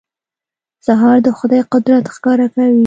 سهار د خدای قدرت ښکاره کوي.